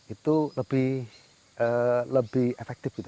itu lebih efektif gitu